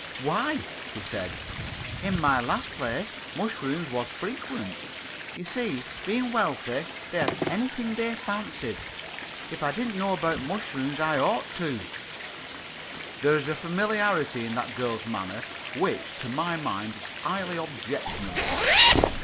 "Why," she said, "in my last place mushrooms was frequent. You see, being wealthy, they had anything they fancied. If I didn't know about mushrooms, I ought to!" There is a familiarity in that girl's manner which to my mind is highly objectionable.